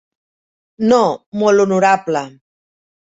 No, Molt Honorable.